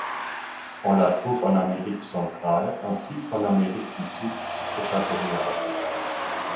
On la trouve en Amérique centrale ainsi qu'en Amérique du Sud équatoriale.